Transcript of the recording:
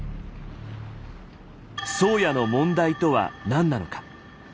「宗谷」の問題とは何なのか。